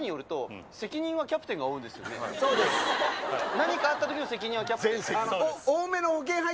何かあったときの責任はキャプテンが。